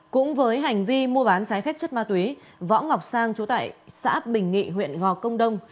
cũng với hành vi mua bán trái phép chất ma túy võ ngọc sang chú tại xã bình nghị huyện gò công đông